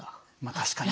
確かに。